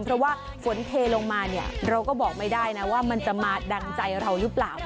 เพราะว่าฝนเทลงมาเนี่ยเราก็บอกไม่ได้นะว่ามันจะมาดังใจเราหรือเปล่า